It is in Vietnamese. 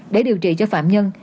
để điều trị cho phạm nhân